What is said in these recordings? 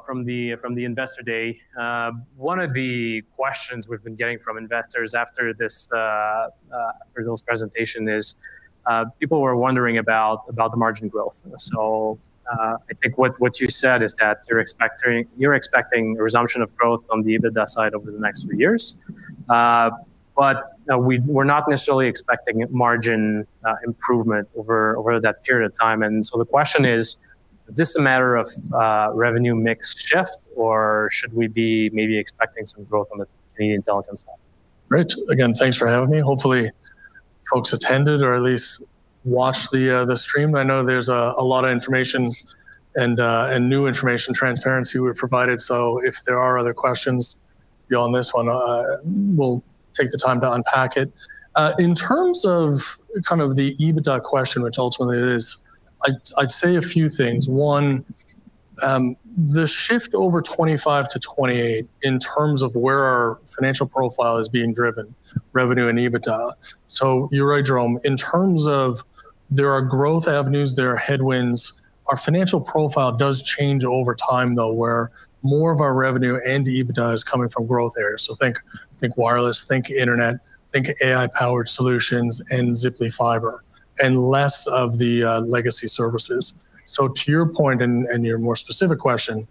From the investor day. One of the questions we've been getting from investors after those presentations is people were wondering about the margin growth. I think what you said is that you're expecting a resumption of growth on the EBITDA side over the next three years. We're not necessarily expecting margin improvement over that period of time. The question is, is this a matter of revenue mix shift, or should we be maybe expecting some growth on the Canadian telecom side? Great. Again, thanks for having me. Hopefully, folks attended or at least watched the stream. I know there is a lot of information and new information transparency we have provided. If there are other questions, beyond this one, we will take the time to unpack it. In terms of the EBITDA question, which ultimately is, I would say a few things. One, the shift over 2025 to 2028 in terms of where our financial profile is being driven, revenue and EBITDA. You are right, Jerome. In terms of there are growth avenues, there are headwinds. Our financial profile does change over time, though, where more of our revenue and EBITDA is coming from growth areas. Think wireless, think internet, think AI-powered solutions, and Ziply Fiber, and less of the legacy services. To your point and your more specific question,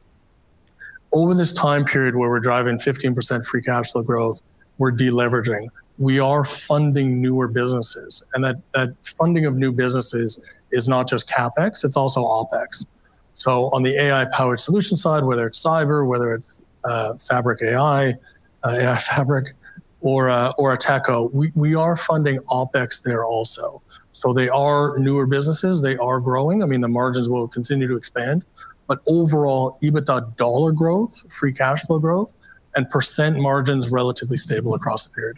over this time period where we're driving 15% free cash flow growth, we're deleveraging. We are funding newer businesses. That funding of new businesses is not just CapEx, it's also OpEx. On the AI-powered solution side, whether it's cyber, whether it's AI Fabric or TechCo, we are funding OpEx there also. They are newer businesses. They are growing. I mean, the margins will continue to expand. Overall, EBITDA dollar growth, free cash flow growth, and percent margins are relatively stable across the period.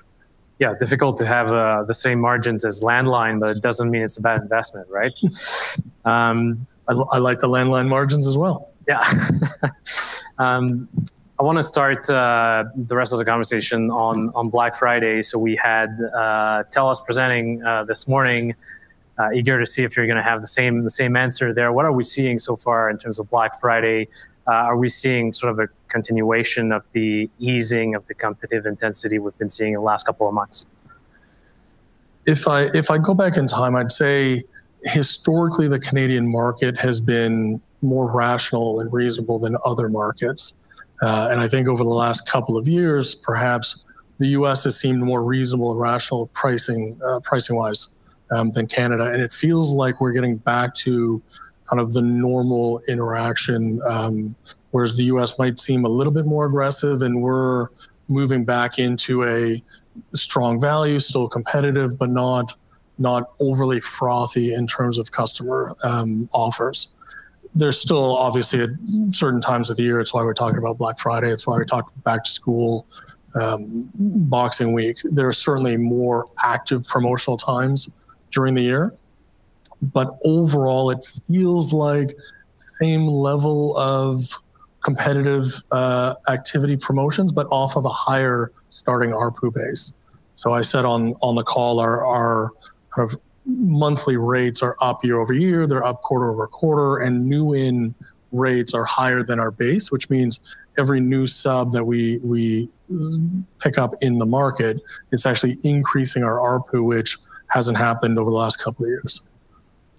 Yeah, difficult to have the same margins as landline, but it doesn't mean it's a bad investment, right? I like the landline margins as well. Yeah. I want to start the rest of the conversation on Black Friday. We had TELUS presenting this morning. Eager to see if you're going to have the same answer there. What are we seeing so far in terms of Black Friday? Are we seeing sort of a continuation of the easing of the competitive intensity we've been seeing in the last couple of months? If I go back in time, I'd say historically the Canadian market has been more rational and reasonable than other markets. I think over the last couple of years, perhaps the US has seemed more reasonable and rational pricing-wise than Canada. It feels like we're getting back to kind of the normal interaction, whereas the US might seem a little bit more aggressive. We're moving back into a strong value, still competitive, but not overly frothy in terms of customer offers. There is still, obviously, at certain times of the year, it's why we're talking about Black Friday. It's why we talked about back-to-school boxing week. There are certainly more active promotional times during the year. Overall, it feels like the same level of competitive activity promotions, but off of a higher starting RPU base. I said on the call, our kind of monthly rates are up year over year. They're up quarter over quarter. New-in rates are higher than our base, which means every new sub that we pick up in the market, it's actually increasing our RPU, which hasn't happened over the last couple of years.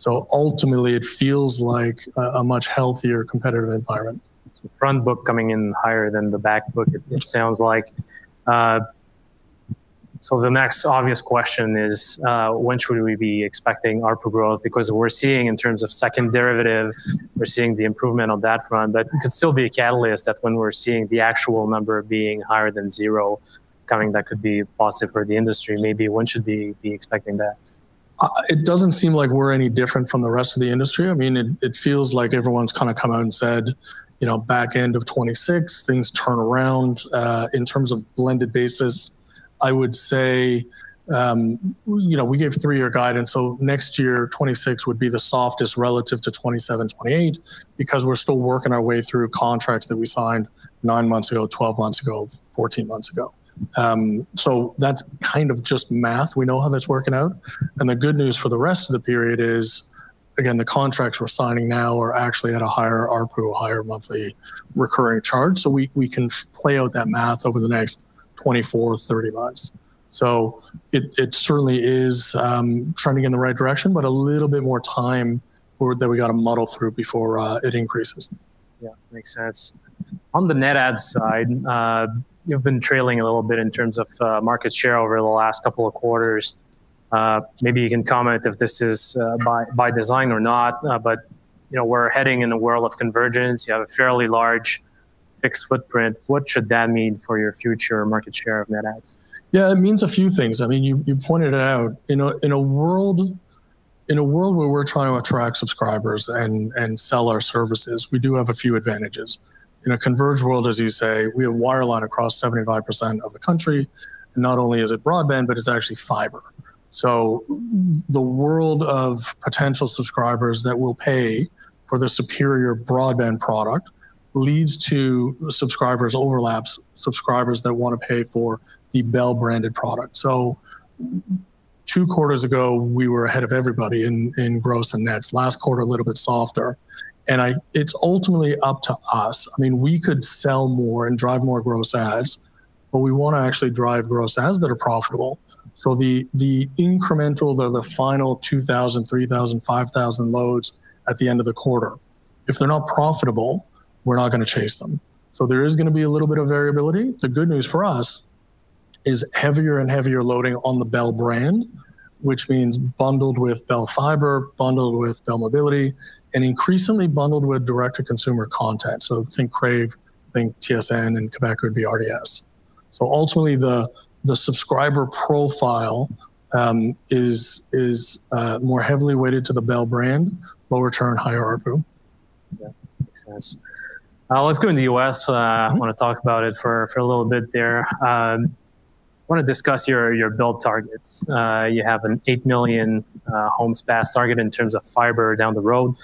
Ultimately, it feels like a much healthier competitive environment. Front book coming in higher than the back book, it sounds like. The next obvious question is, when should we be expecting RPU growth? Because we're seeing in terms of second derivative, we're seeing the improvement on that front. It could still be a catalyst that when we're seeing the actual number being higher than zero coming, that could be positive for the industry. Maybe when should we be expecting that? It doesn't seem like we're any different from the rest of the industry. I mean, it feels like everyone's kind of come out and said, back end of 2026, things turn around. In terms of blended basis, I would say we gave a three-year guidance. Next year, 2026 would be the softest relative to 2027, 2028, because we're still working our way through contracts that we signed nine months ago, 12 months ago, 14 months ago. That's kind of just math. We know how that's working out. The good news for the rest of the period is, again, the contracts we're signing now are actually at a higher RPU, a higher monthly recurring charge. We can play out that math over the next 24 months-30 months. It certainly is trending in the right direction, but a little bit more time that we got to muddle through before it increases. Yeah, makes sense. On the net add side, you've been trailing a little bit in terms of market share over the last couple of quarters. Maybe you can comment if this is by design or not, but we're heading in a world of convergence. You have a fairly large fixed footprint. What should that mean for your future market share of net adds? Yeah, it means a few things. I mean, you pointed it out. In a world where we're trying to attract subscribers and sell our services, we do have a few advantages. In a converged world, as you say, we have wireline across 75% of the country. Not only is it broadband, but it's actually fiber. The world of potential subscribers that will pay for the superior broadband product leads to subscribers overlaps, subscribers that want to pay for the Bell-branded product. Two quarters ago, we were ahead of everybody in gross and nets. Last quarter, a little bit softer. It's ultimately up to us. I mean, we could sell more and drive more gross adds, but we want to actually drive gross adds that are profitable. The incremental, the final 2,000-3,000-5,000 loads at the end of the quarter, if they're not profitable, we're not going to chase them. There is going to be a little bit of variability. The good news for us is heavier and heavier loading on the Bell brand, which means bundled with Bell Fiber, bundled with Bell Mobility, and increasingly bundled with direct-to-consumer content. Think Crave, think TSN, and Quebec would be RDS. Ultimately, the subscriber profile is more heavily weighted to the Bell brand, lower churn, higher RPU. Yeah, makes sense. Let's go to the US. I want to talk about it for a little bit there. I want to discuss your build targets. You have an 8 million homes pass target in terms of fiber down the road.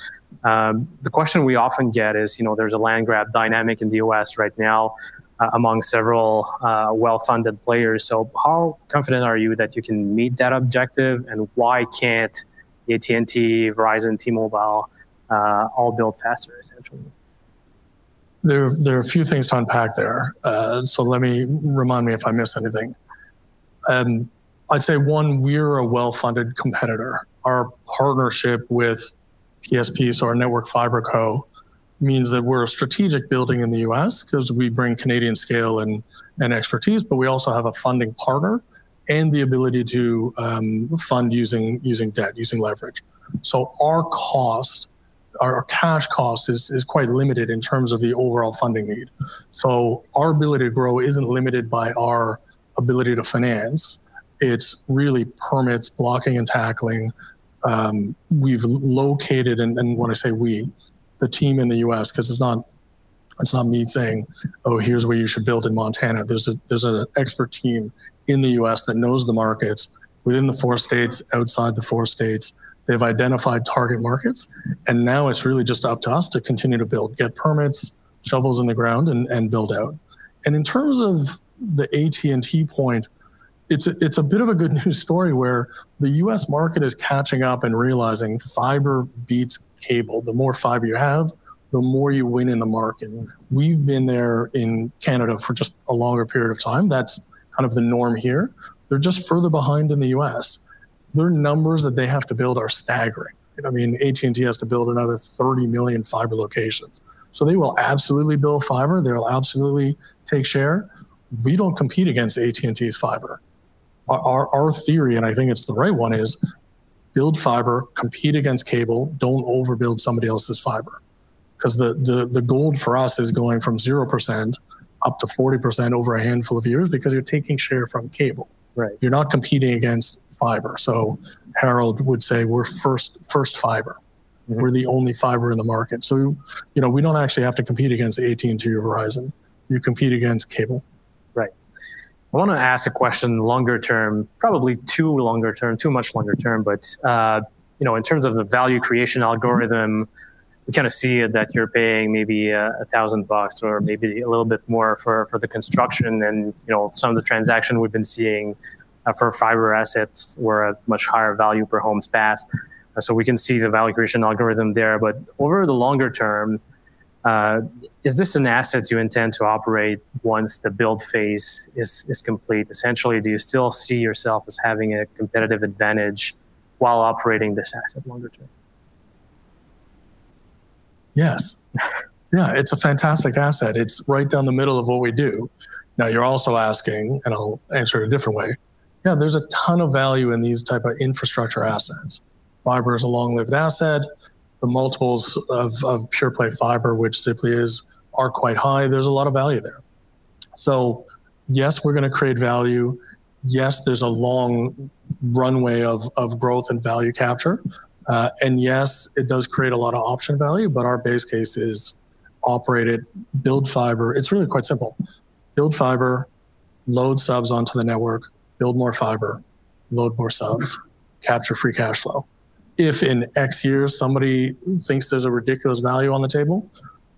The question we often get is there's a land grab dynamic in the US right now among several well-funded players. How confident are you that you can meet that objective? Why can't AT&T, Verizon, T-Mobile all build faster, essentially? There are a few things to unpack there. Let me remind me if I missed anything. I'd say one, we're a well-funded competitor. Our partnership with PSP, so our network fiber co, means that we're a strategic building in the US because we bring Canadian scale and expertise, but we also have a funding partner and the ability to fund using debt, using leverage. Our cash cost is quite limited in terms of the overall funding need. Our ability to grow isn't limited by our ability to finance. It's really permits, blocking, and tackling. We've located, and when I say we, the team in the US, because it's not me saying, "Oh, here's where you should build in Montana." There's an expert team in the US that knows the markets within the four states, outside the four states. They've identified target markets. It is really just up to us to continue to build, get permits, shovels in the ground, and build out. In terms of the AT&T point, it is a bit of a good news story where the US market is catching up and realizing fiber beats cable. The more fiber you have, the more you win in the market. We have been there in Canada for just a longer period of time. That is kind of the norm here. They are just further behind in the US. Their numbers that they have to build are staggering. I mean, AT&T has to build another 30 million fiber locations. They will absolutely build fiber. They will absolutely take share. We do not compete against AT&T's fiber. Our theory, and I think it is the right one, is build fiber, compete against cable, do not overbuild somebody else's fiber. Because the goal for us is going from 0% up to 40% over a handful of years because you're taking share from cable. You're not competing against fiber. Harold would say we're first fiber. We're the only fiber in the market. You do not actually have to compete against AT&T or Verizon. You compete against cable. Right. I want to ask a question longer term, probably too longer term, too much longer term, but in terms of the value creation algorithm, we kind of see that you're paying maybe 1,000 bucks or maybe a little bit more for the construction. And some of the transactions we've been seeing for fiber assets were a much higher value per homes passed. So we can see the value creation algorithm there. But over the longer term, is this an asset you intend to operate once the build phase is complete? Essentially, do you still see yourself as having a competitive advantage while operating this asset longer term? Yes. Yeah, it's a fantastic asset. It's right down the middle of what we do. Now, you're also asking, and I'll answer it a different way. Yeah, there's a ton of value in these types of infrastructure assets. Fiber is a long-lived asset. The multiples of pure play fiber, which simply are quite high, there's a lot of value there. Yes, we're going to create value. Yes, there's a long runway of growth and value capture. Yes, it does create a lot of option value, but our base case is operate it, build fiber. It's really quite simple. Build fiber, load subs onto the network, build more fiber, load more subs, capture free cash flow. If in X years, somebody thinks there's a ridiculous value on the table,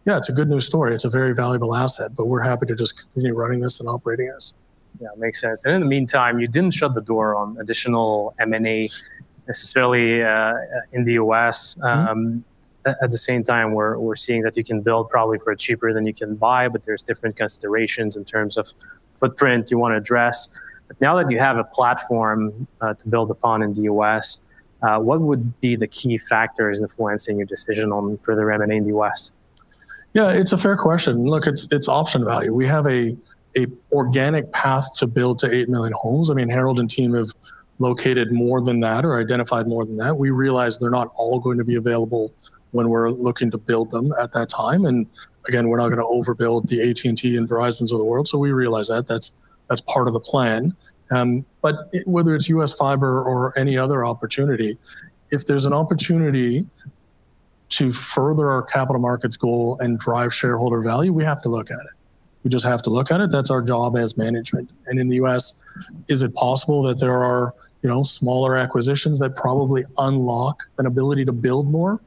yeah, it's a good news story. It's a very valuable asset, but we're happy to just continue running this and operating this. Yeah, makes sense. In the meantime, you didn't shut the door on additional M&A necessarily in the US. At the same time, we're seeing that you can build probably for cheaper than you can buy, but there's different considerations in terms of footprint you want to address. Now that you have a platform to build upon in the US, what would be the key factors influencing your decision on further M&A in the US? Yeah, it's a fair question. Look, it's option value. We have an organic path to build to 8 million homes. I mean, Harold and team have located more than that or identified more than that. We realize they're not all going to be available when we're looking to build them at that time. We're not going to overbuild the AT&T and Verizons of the world. We realize that that's part of the plan. Whether it's US fiber or any other opportunity, if there's an opportunity to further our capital markets goal and drive shareholder value, we have to look at it. We just have to look at it. That's our job as management. In the US, is it possible that there are smaller acquisitions that probably unlock an ability to build more?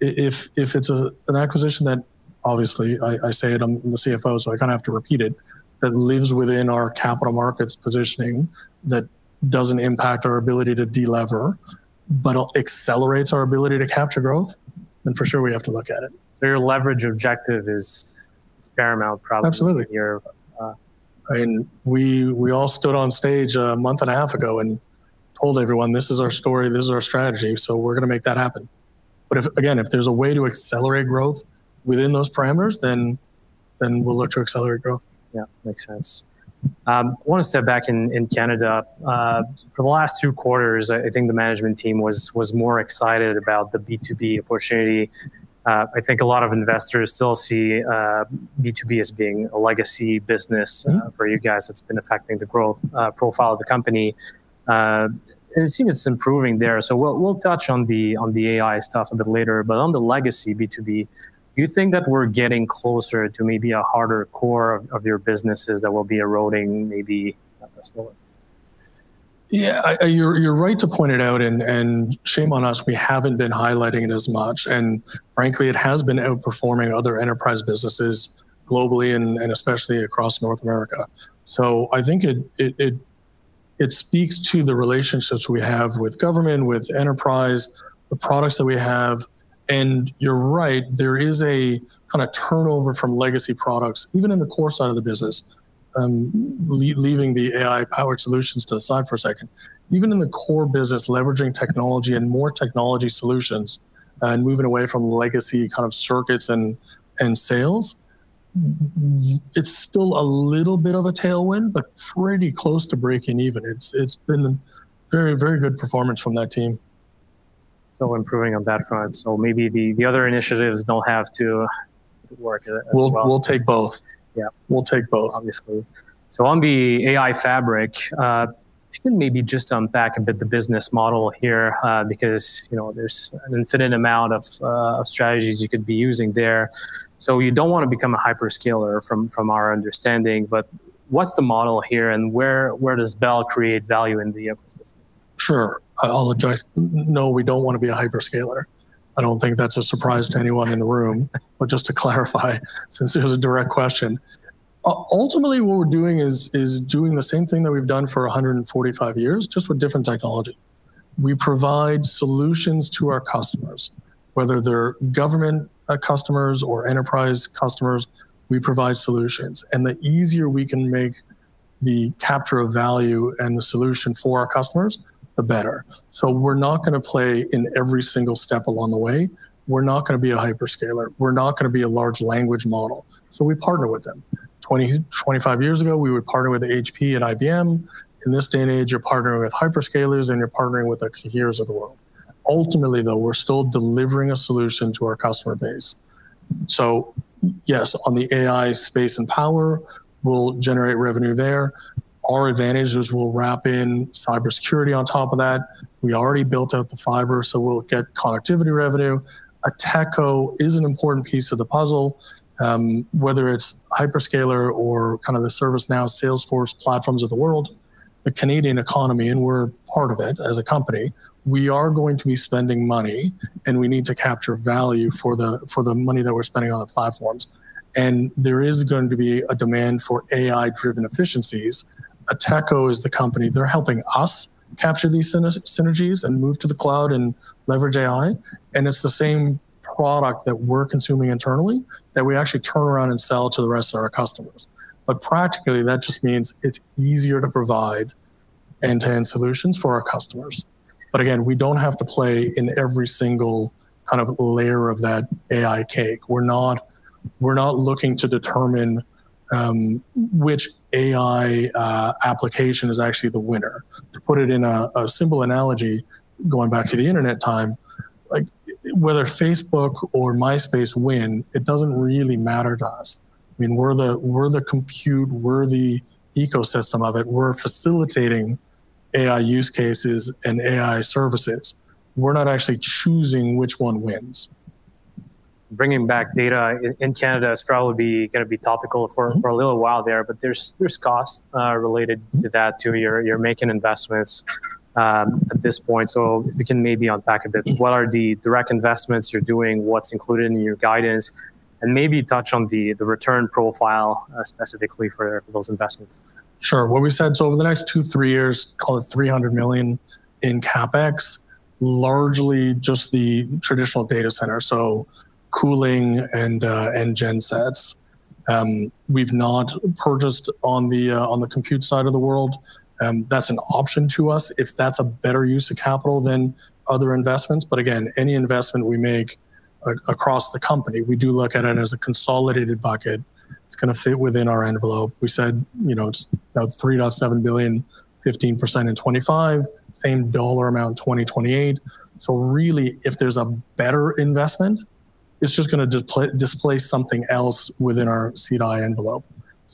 If it's an acquisition that, obviously, I say it, I'm the CFO, so I kind of have to repeat it, that lives within our capital markets positioning, that doesn't impact our ability to delever, but accelerates our ability to capture growth, then for sure we have to look at it. Your leverage objective is paramount, probably. Absolutely. We all stood on stage a month and a half ago and told everyone, "This is our story. This is our strategy. We are going to make that happen." If there is a way to accelerate growth within those parameters, then we will look to accelerate growth. Yeah, makes sense. I want to step back in Canada. For the last two quarters, I think the management team was more excited about the B2B opportunity. I think a lot of investors still see B2B as being a legacy business for you guys that's been affecting the growth profile of the company. It seems it's improving there. We will touch on the AI stuff a bit later. On the legacy B2B, do you think that we're getting closer to maybe a harder core of your businesses that will be eroding maybe slower? Yeah, you're right to point it out. Shame on us, we haven't been highlighting it as much. Frankly, it has been outperforming other enterprise businesses globally and especially across North America. I think it speaks to the relationships we have with government, with enterprise, the products that we have. You're right, there is a kind of turnover from legacy products, even in the core side of the business, leaving the AI-powered solutions to the side for a second. Even in the core business, leveraging technology and more technology solutions and moving away from legacy kind of circuits and sales, it's still a little bit of a tailwind, but pretty close to breaking even. It's been very, very good performance from that team. Improving on that front. Maybe the other initiatives don't have to work as well. We'll take both. Yeah, we'll take both. Obviously. On the AI Fabric, you can maybe just unpack a bit the business model here because there's an infinite amount of strategies you could be using there. You don't want to become a hyperscaler from our understanding, but what's the model here and where does Bell create value in the ecosystem? Sure. I'll adjust. No, we don't want to be a hyperscaler. I don't think that's a surprise to anyone in the room, but just to clarify, since it was a direct question, ultimately what we're doing is doing the same thing that we've done for 145 years, just with different technology. We provide solutions to our customers, whether they're government customers or enterprise customers. We provide solutions. The easier we can make the capture of value and the solution for our customers, the better. We're not going to play in every single step along the way. We're not going to be a hyperscaler. We're not going to be a large language model. We partner with them. Twenty-five years ago, we would partner with HP and IBM. In this day and age, you're partnering with hyperscalers and you're partnering with the congregators of the world. Ultimately, though, we're still delivering a solution to our customer base. Yes, on the AI space and power, we'll generate revenue there. Our advantages will wrap in cybersecurity on top of that. We already built out the fiber, so we'll get connectivity revenue. A techco is an important piece of the puzzle, whether it's hyperscaler or kind of the ServiceNow, Salesforce platforms of the world. The Canadian economy, and we're part of it as a company, we are going to be spending money, and we need to capture value for the money that we're spending on the platforms. There is going to be a demand for AI-driven efficiencies. A techco is the company. They're helping us capture these synergies and move to the cloud and leverage AI. It is the same product that we are consuming internally that we actually turn around and sell to the rest of our customers. Practically, that just means it is easier to provide end-to-end solutions for our customers. Again, we do not have to play in every single kind of layer of that AI cake. We are not looking to determine which AI application is actually the winner. To put it in a simple analogy, going back to the internet time, whether Facebook or MySpace win, it does not really matter to us. I mean, we are the compute, we are the ecosystem of it. We are facilitating AI use cases and AI services. We are not actually choosing which one wins. Bringing back data in Canada is probably going to be topical for a little while there, but there's costs related to that too. You're making investments at this point. If you can maybe unpack a bit, what are the direct investments you're doing? What's included in your guidance? Maybe touch on the return profile specifically for those investments. Sure. What we said, over the next two, three years, call it 300 million in CapEx, largely just the traditional data center, so cooling and gen sets. We've not purchased on the compute side of the world. That's an option to us if that's a better use of capital than other investments. Again, any investment we make across the company, we do look at it as a consolidated bucket. It's going to fit within our envelope. We said it's 3.7 billion, 15% in 2025, same dollar amount in 2028. Really, if there's a better investment, it's just going to displace something else within our CDI envelope.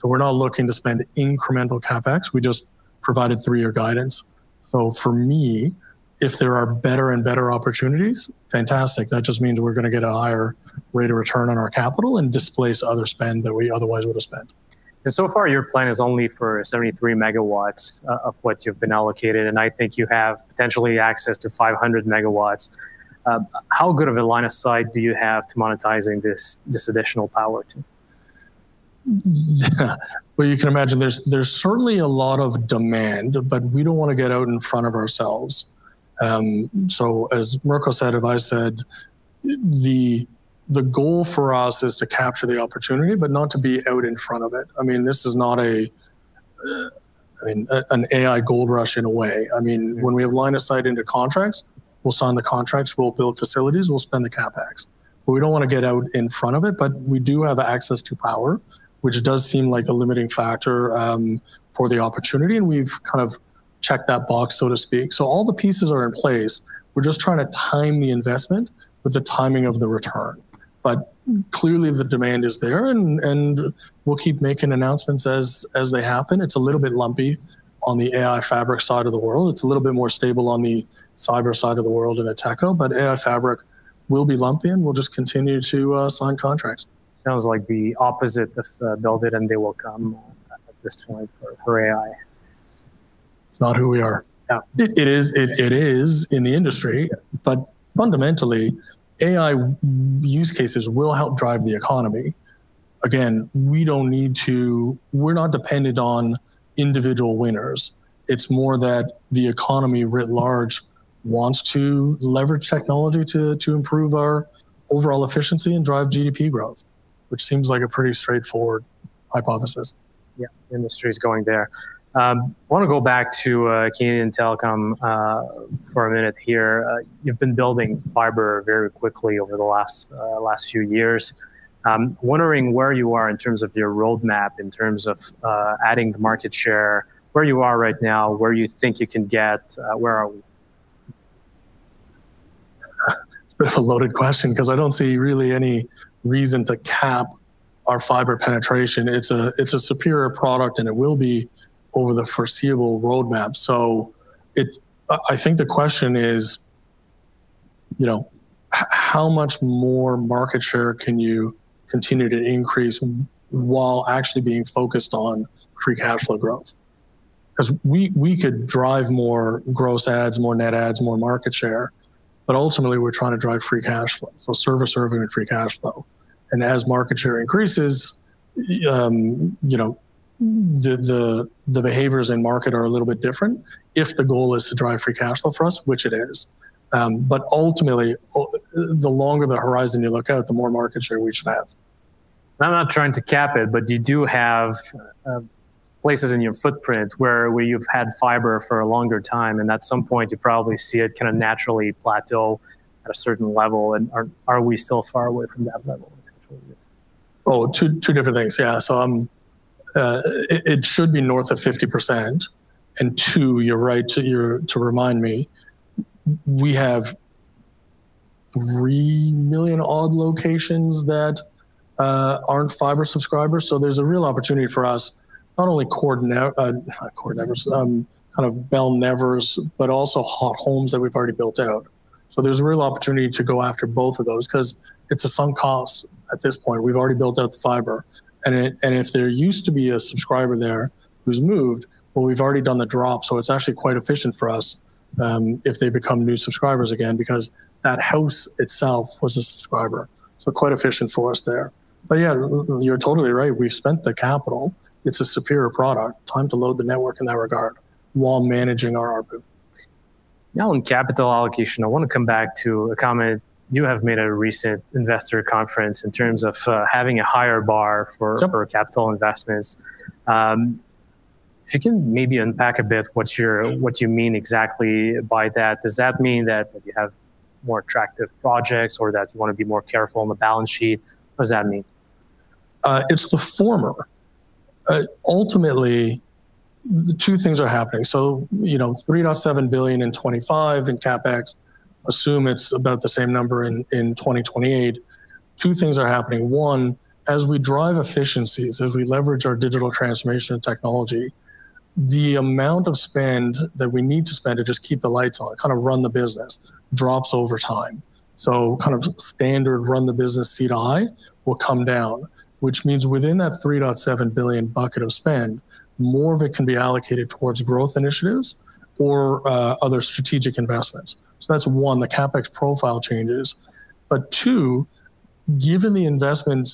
We're not looking to spend incremental CapEx. We just provided three-year guidance. For me, if there are better and better opportunities, fantastic. That just means we're going to get a higher rate of return on our capital and displace other spend that we otherwise would have spent. So far, your plan is only for 73 megawatts of what you've been allocated. I think you have potentially access to 500 megawatts. How good of a line of sight do you have to monetizing this additional power too? You can imagine there's certainly a lot of demand, but we don't want to get out in front of ourselves. As Mirko said, if I said, the goal for us is to capture the opportunity, but not to be out in front of it. I mean, this is not an AI gold rush in a way. I mean, when we have line of sight into contracts, we'll sign the contracts, we'll build facilities, we'll spend the CapEx. We don't want to get out in front of it, but we do have access to power, which does seem like a limiting factor for the opportunity. We've kind of checked that box, so to speak. All the pieces are in place. We're just trying to time the investment with the timing of the return. Clearly, the demand is there, and we'll keep making announcements as they happen. It's a little bit lumpy on the AI Fabric side of the world. It's a little bit more stable on the cyber side of the world in a TechCo, but AI Fabric will be lumpy, and we'll just continue to sign contracts. Sounds like the opposite of build it and they will come at this point for AI. It's not who we are. It is in the industry, but fundamentally, AI use cases will help drive the economy. Again, we don't need to, we're not dependent on individual winners. It's more that the economy writ large wants to leverage technology to improve our overall efficiency and drive GDP growth, which seems like a pretty straightforward hypothesis. Yeah, industry is going there. I want to go back to Canadian telecom for a minute here. You've been building fiber very quickly over the last few years. Wondering where you are in terms of your roadmap, in terms of adding the market share, where you are right now, where you think you can get, where are we? It's a bit of a loaded question because I don't see really any reason to cap our fiber penetration. It's a superior product, and it will be over the foreseeable roadmap. I think the question is, how much more market share can you continue to increase while actually being focused on free cash flow growth? Because we could drive more gross adds, more net adds, more market share, but ultimately, we're trying to drive free cash flow. Service-driven free cash flow. As market share increases, the behaviors in market are a little bit different if the goal is to drive free cash flow for us, which it is. Ultimately, the longer the horizon you look at, the more market share we should have. I'm not trying to cap it, but you do have places in your footprint where you've had fiber for a longer time, and at some point, you probably see it kind of naturally plateau at a certain level. Are we still far away from that level? Oh, two different things. Yeah. It should be north of 50%. And two, you're right to remind me, we have 3 million odd locations that aren't fiber subscribers. There's a real opportunity for us, not only core networks, kind of Bell Nevers, but also hot homes that we've already built out. There's a real opportunity to go after both of those because it's a sunk cost at this point. We've already built out the fiber. If there used to be a subscriber there who's moved, we've already done the drop. It's actually quite efficient for us if they become new subscribers again because that house itself was a subscriber. Quite efficient for us there. You're totally right. We've spent the capital. It's a superior product. Time to load the network in that regard while managing our RPU. Now, on capital allocation, I want to come back to a comment you have made at a recent investor conference in terms of having a higher bar for capital investments. If you can maybe unpack a bit, what do you mean exactly by that? Does that mean that you have more attractive projects or that you want to be more careful on the balance sheet? What does that mean? It's the former. Ultimately, two things are happening. 3.7 billion in 2025 in CapEx, assume it's about the same number in 2028. Two things are happening. One, as we drive efficiencies, as we leverage our digital transformation technology, the amount of spend that we need to spend to just keep the lights on, kind of run the business, drops over time. Kind of standard run the business CDI will come down, which means within that 3.7 billion bucket of spend, more of it can be allocated towards growth initiatives or other strategic investments. That's one, the CapEx profile changes. Two, given the investment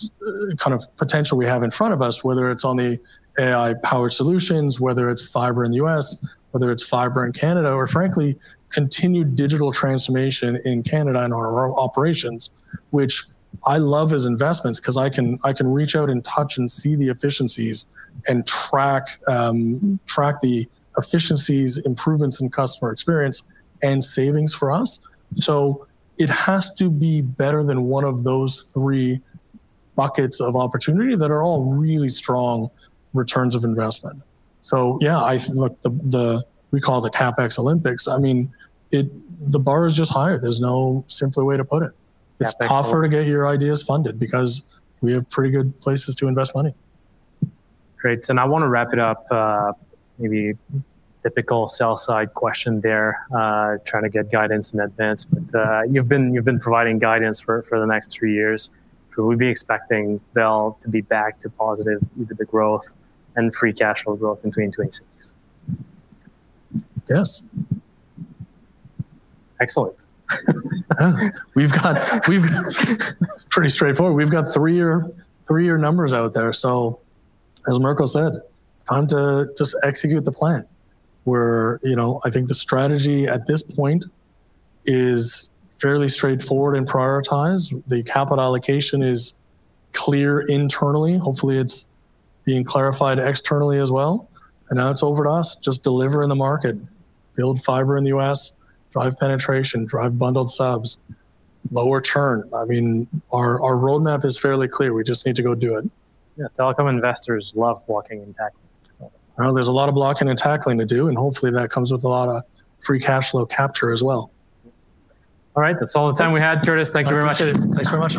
kind of potential we have in front of us, whether it's on the AI-powered solutions, whether it's fiber in the US, whether it's fiber in Canada, or frankly, continued digital transformation in Canada and our operations, which I love as investments because I can reach out and touch and see the efficiencies and track the efficiencies, improvements in customer experience, and savings for us. It has to be better than one of those three buckets of opportunity that are all really strong returns of investment. Yeah, we call it the CapEx Olympics. I mean, the bar is just higher. There's no simpler way to put it. It's tougher to get your ideas funded because we have pretty good places to invest money. Great. I want to wrap it up, maybe typical sell-side question there, trying to get guidance in advance. You have been providing guidance for the next three years. We will be expecting Bell to be back to positive growth and free cash flow growth in 2026. Yes. Excellent. We've got pretty straightforward. We've got three-year numbers out there. As Mirko said, it's time to just execute the plan. I think the strategy at this point is fairly straightforward and prioritized. The capital allocation is clear internally. Hopefully, it's being clarified externally as well. Now it's over to us, just deliver in the market, build fiber in the US, drive penetration, drive bundled subs, lower churn. I mean, our roadmap is fairly clear. We just need to go do it. Yeah, telecom investors love blocking and tackling. There's a lot of blocking and tackling to do, and hopefully, that comes with a lot of free cash flow capture as well. All right. That's all the time we had, Curtis. Thank you very much. Thanks very much.